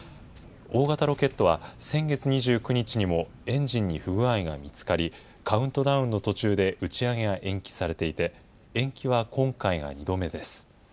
大型ロケットは、先月２９日にもエンジンに不具合が見つかり、カウントダウンの途中で打ち上げが延期されていて、延期は今回が２度目です。